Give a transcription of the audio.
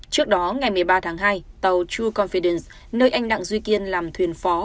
trước đó ngày một mươi ba tháng hai tàu true confidence nơi anh đặng duy kiên làm thuyền phó